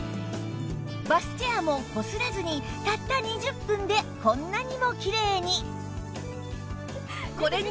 バスチェアもこすらずにたった２０分でこんなにもキレイに